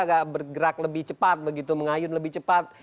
agak bergerak lebih cepat begitu mengayun lebih cepat